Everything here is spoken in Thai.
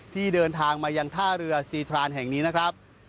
ที่เดินทางมายังท่าเรือซีทรานแห่งนี้นะครับ